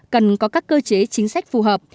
cần có các cơ chế chính sách phù hợp